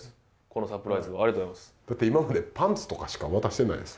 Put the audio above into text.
このサプライズは、ありがとうございます。